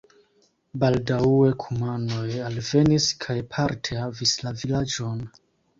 Baldaŭe kumanoj alvenis kaj parte havis la vilaĝon.